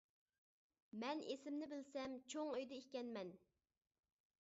مەن ئىسىمنى بىلسەم چوڭ ئۆيدە ئىكەنمەن.